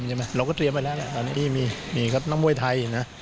เราก็เตรียมไว้แล้วแหละตอนนี้มีมีครับน้องมวยไทยนะ